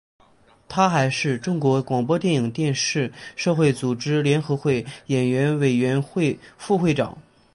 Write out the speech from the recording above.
他还是中国广播电影电视社会组织联合会演员委员会副会长。